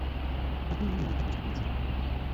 আপনি আমার মাকে কষ্ট দিয়েছেন।